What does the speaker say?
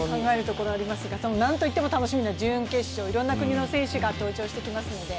なんといっても準決勝いろんな国の選手が登場してきますので。